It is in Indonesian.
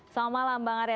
selamat malam bang arya